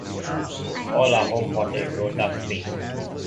All are homeported in Rota, Spain.